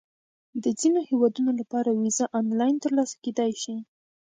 د ځینو هیوادونو لپاره ویزه آنلاین ترلاسه کېدای شي.